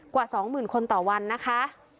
กว่า๒๐๐๐คนต่อวันนะคะ